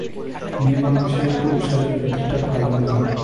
মেয়েমানুষের পুরুষালী বুদ্ধিটা ভালো নয়।